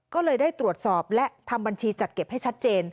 ก็เลยได้ตรวจสอบและทำบัญชีจัดเก็บให้ชัดเจน